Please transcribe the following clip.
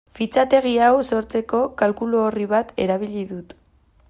Fitxategi hau sortzeko kalkulu-orri bat erabili dut.